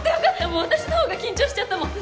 もう私のほうが緊張しちゃったもん。